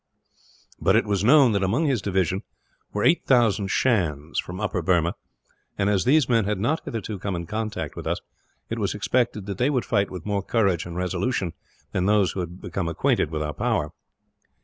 But it was known that among his division were 8,000 Shans, from Upper Burma and, as these men had not hitherto come in contact with us, it was expected that they would fight with more courage and resolution than those who had become acquainted with our power.